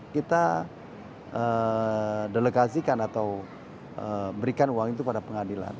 kita delegasikan atau berikan uang itu pada pengadilan